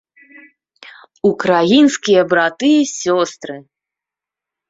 Украінскія браты й сёстры!